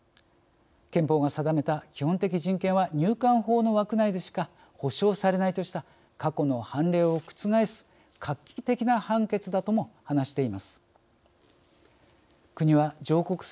憲法が定めた基本的人権は入管法の枠内でしか保障されないとした過去の判例を覆す画期的な判決だとも話しています。